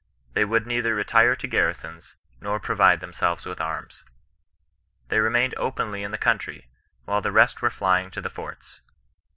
They would neither retire to garri sons, nor provide themselves with arms. They remained openly in the country, while the rest were flying to the forts.